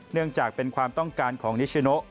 เนื่องจากเป็นความต้องการของนิชโน